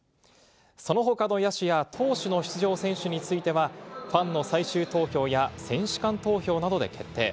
その他の野手や投手の出場選手についてはファンの最終投票や選手間投票などで決定。